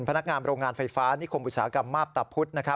พนักงานโรงงานไฟฟ้านิคมอุตสาหกรรมมาพตะพุธ